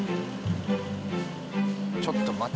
ちょっと待て。